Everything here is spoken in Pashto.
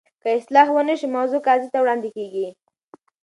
که اصلاح ونه شي، موضوع قاضي ته وړاندي کیږي.